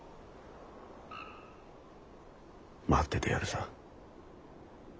待っててやるさ。